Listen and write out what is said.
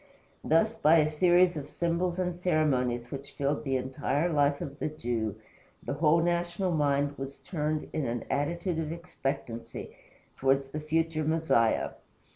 Thus, by a series of symbols and ceremonies which filled the entire life of the Jew, the whole national mind was turned in an attitude of expectancy towards the future Messiah.